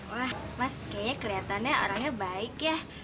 wah mas kayaknya kelihatannya orangnya baik ya